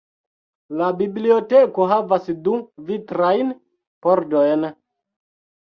La biblioteko havas du vitrajn pordojn.